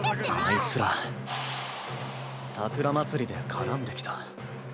あいつら桜まつりで絡んできた。